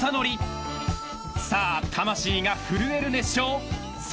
［さあ魂が震える熱唱］